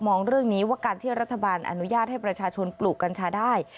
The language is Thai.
เรื่องนี้ว่าการที่รัฐบาลอนุญาตให้ประชาชนปลูกกัญชาได้